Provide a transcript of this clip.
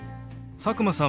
佐久間さん